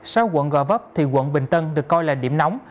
sau quận gò vấp thì quận bình tân được coi là điểm nóng